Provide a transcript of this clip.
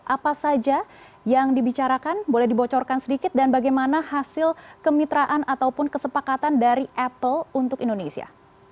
apa saja yang dibicarakan boleh dibocorkan sedikit dan bagaimana hasil kemitraan ataupun kesepakatan dari apple untuk indonesia